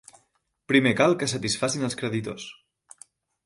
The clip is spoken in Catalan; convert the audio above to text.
Primer cal que satisfacin els creditors.